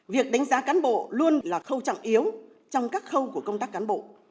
việc đánh giá cán bộ luôn là khâu trọng yếu trong các khâu của công tác cán bộ